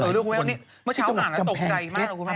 เมื่อเช้าอ่านแล้วตกใจมากครับคุณแม่